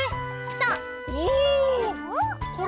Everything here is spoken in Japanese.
そう！